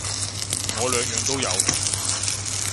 我兩樣都有